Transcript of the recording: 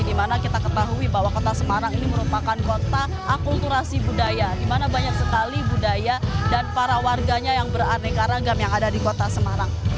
dimana kita ketahui bahwa kota semarang ini merupakan kota akulturasi budaya di mana banyak sekali budaya dan para warganya yang beraneka ragam yang ada di kota semarang